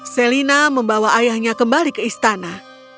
selina membawa ayahnya kembali ke istana